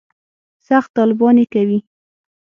سخت طالبان یې کوي.